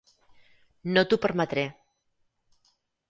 No t'ho permetré.